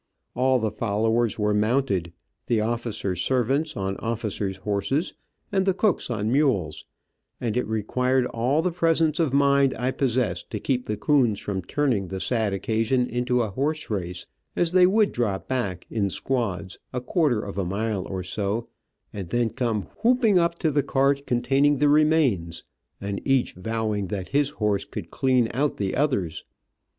All the followers were mounted, the officer's servant's on officer's horses, and the cooks on mules, and it required all the presence of mind I possessed to keep the coons from turning the sad occasion into a horse race, as they would drop back, in squads, a quarter of a mile or so, and then come whooping up to the cart containing the remains, and each vowing that his horse could clean out the others.